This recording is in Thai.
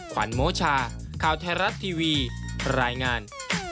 ขวัญโมชาข่าวไทยรัฐทีวีรายงาน